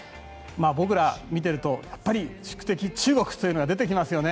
僕ら見ているとやっぱり宿敵・中国というのが出てきますよね。